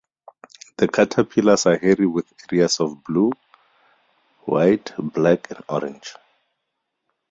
The caterpillars are hairy with areas of blue, white, black and orange.